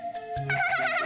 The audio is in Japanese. ハハハハハ。